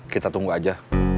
kita tunggu aja